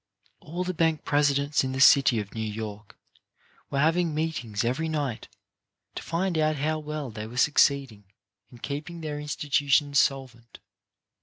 All the bank presidents in the city of New York were having meetings every night to find out how well they were succeeding in keeping their insti WHAT WILL PAY? 91 tutions solvent.